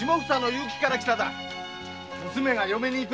娘が嫁にいくだ。